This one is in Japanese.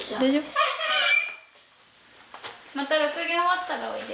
また６限終わったらおいで。